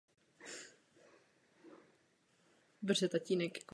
Následuje vysvěcení soch a obrazů a slavnostní první mše svatá.